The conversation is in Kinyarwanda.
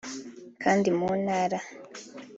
kandi mu ntara